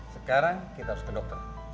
sekarang kita harus ke dokter